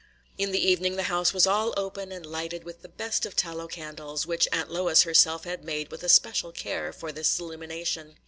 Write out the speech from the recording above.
In the evening the house was all open and lighted with the best of tallow candles, which Aunt Lois herself had made with especial care for this illumination.